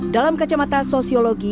dalam kacamata sosiologi